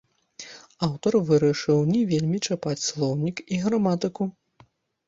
Аўтар вырашыў не вельмі чапаць слоўнік і граматыку.